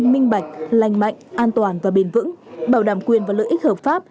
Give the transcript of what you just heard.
minh bạch lành mạnh an toàn và bền vững bảo đảm quyền và lợi ích hợp pháp